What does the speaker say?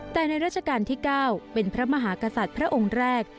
แต่ในราชการที่๙เป็นพระมหากษัตริย์พระองค์แรก